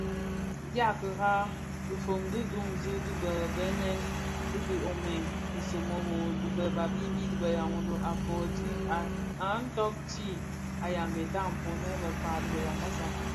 Dia kira, dhifon di duňzi di bë bènèn, dhi bë Omën, dhisōmoro dyi lè babimbi Yaoundo a nōōti (bi Yambeta, Ponèkn Bekpag dhi Yambassa).